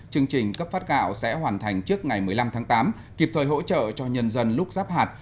chương trình cấp phát gạo sẽ hoàn thành trước ngày một mươi năm tháng tám kịp thời hỗ trợ cho nhân dân lúc rắp hạt